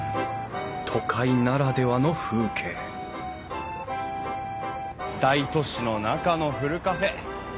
都会ならではの風景大都市の中のふるカフェ。